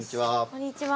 こんにちは。